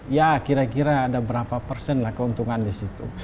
ya kira kira ada berapa persen lah keuntungan di situ